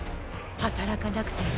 働かなくていい。